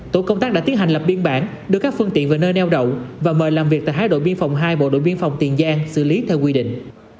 tổ công tác đã tiến hành lập biên bản đưa các phương tiện về nơi neo đậu và mời làm việc tại hải đội biên phòng hai bộ đội biên phòng tiền giang xử lý theo quy định